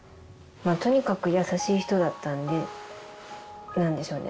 まぁとにかく優しい人だったんで何でしょうね